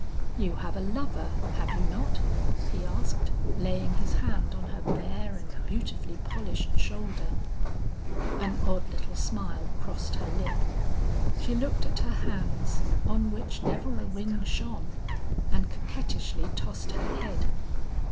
"'You have a lover, have you not?' he asked, laying his hand on her bare and beautifully polished shoulder. "An odd little smile crossed her lip. She looked at her hands on which never a ring shone, and coquettishly tossed her head.